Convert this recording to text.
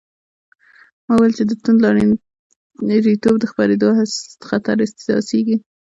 ما وویل چې د توندلاریتوب د خپرېدو خطر احساسېږي.